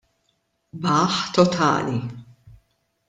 Baħħ totali!